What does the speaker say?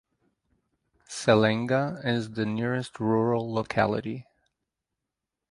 Selenga is the nearest rural locality.